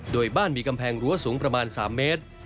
โดยบ้านมีกำแพงรั้วสูงประมาณ๓เมตร